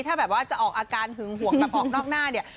ถ้าแบบว่าจะออกอาการหึงห่วงแบบออกนอกหน้าเนี่ย